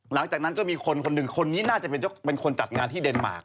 หลังจากนั้นก็มีคนคนหนึ่งคนนี้น่าจะเป็นคนจัดงานที่เดนมาร์ค